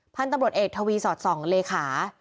พันธบรรดเอกทวีสอดส่องเลขา